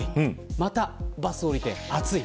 またバスを降りて暑い。